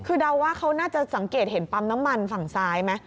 คือเดาว่าเขาน่าจะสังเกตเห็นปั๊มน้ำมันฝั่งซ้ายไหม